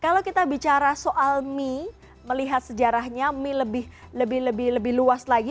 kalau kita bicara soal mie melihat sejarahnya mie lebih luas lagi